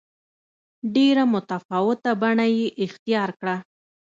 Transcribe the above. ډېره متفاوته بڼه یې اختیار کړه.